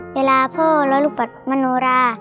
เวลาพ่อหรือลูกบัตรมนุรา